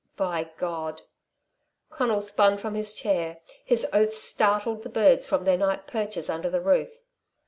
"By God " Conal spun from his chair. His oaths startled the birds from their night perches under the roof.